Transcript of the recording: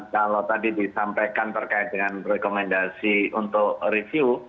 kalau tadi disampaikan terkait dengan rekomendasi untuk review